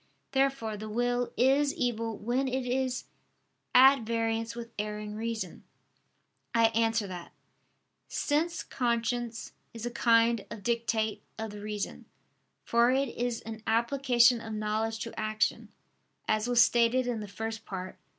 Therefore the will is evil when it is at variance with erring reason. I answer that, Since conscience is a kind of dictate of the reason, for it is an application of knowledge to action, as was stated in the First Part (Q.